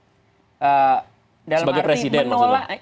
sebagai presiden maksudnya